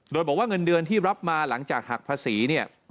โดยบอกว่าเงินเดือนที่รับมาหลังจากหักภาษีเนี่ย